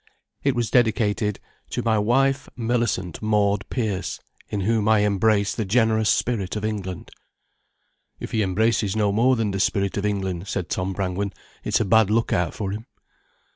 It was dedicated: "To my wife, Millicent Maud Pearse, in whom I embrace the generous spirit of England." "If he embraces no more than the spirit of England," said Tom Brangwen, "it's a bad look out for him."